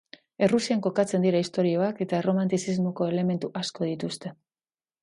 Errusian kokatzen dira istorioak eta erromantizismoko elementu asko dituzte.